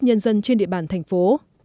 nhân dân trên địa bàn thành phố